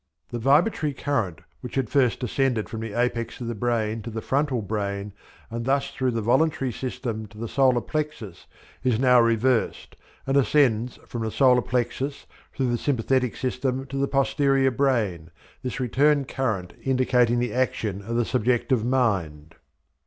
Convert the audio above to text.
The vibratory current which had first descended from the apex of the brain to the frontal brain and thus through the voluntary system to the solar plexus is now reversed and ascends from the solar plexus through the sympathetic system to the posterior brain, this return current indicating the action of the subjective mind.